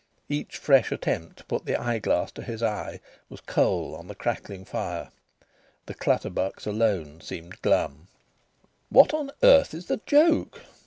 Each fresh attempt to put the eyeglass to his eye was coal on the crackling fire. The Clutterbucks alone seemed glum. "What on earth is the joke?"